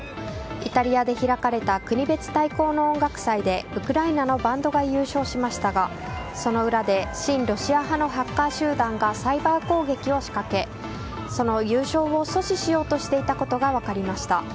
イタリアで開かれた国別対抗の音楽祭でウクライナのバンドが優勝しましたがその裏で親ロシア派のハッカー集団がサイバー攻撃を仕掛けその優勝を阻止しようとしていたことが分かりました。